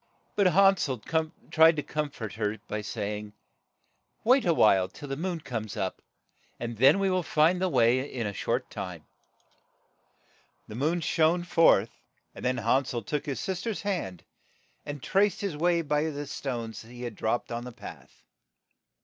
But Han sel tried to corn fort her by say ing, '' Wait a while till the moon comes up, and then we will find the way in a short time." The moon soon shone forth, and then Han sel took his sister's hand, and traced his way by the stones he had dropped on the path.